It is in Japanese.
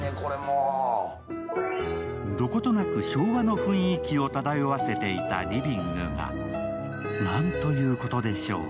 どことなく昭和の雰囲気を漂わせていたリビングが、なんということでしょう。